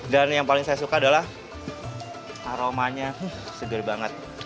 dan yang paling saya suka adalah aromanya segar banget